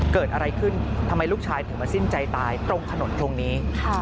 เกิดอะไรขึ้นทำไมลูกชายถึงมาสิ้นใจตายตรงถนนตรงนี้